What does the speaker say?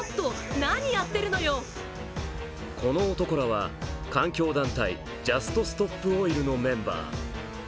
この男らは環境団体ジャスト・ストップ・オイルのメンバー。